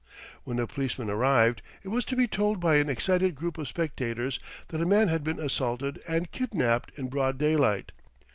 When a policeman arrived, it was to be told by an excited group of spectators that a man had been assaulted and kidnapped in broad daylight.